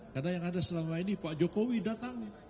karena yang ada selama ini pak jokowi datang